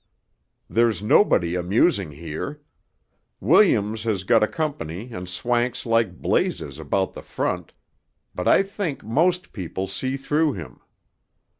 There's nobody amusing here. Williams has got a company and swanks like blazes about 'the front,' but I think most people see through him....